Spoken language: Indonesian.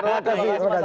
terima kasih pak budi